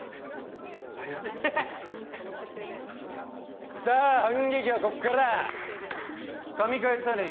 ありがとうハハハさあ反撃はこっから噛み返さねえ